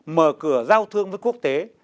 mở cửa giao thương với quốc tế